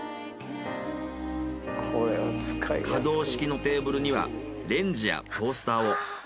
可動式のテーブルにはレンジやトースターを。